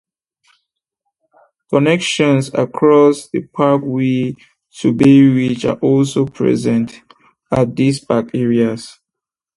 Connections across the parkway to Bay Ridge are also present at these parking areas.